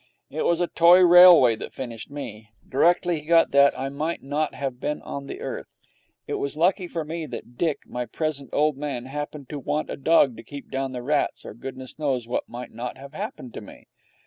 It was a toy railway that finished me. Directly he got that, I might not have been on the earth. It was lucky for me that Dick, my present old man, happened to want a dog to keep down the rats, or goodness knows what might not have happened to me.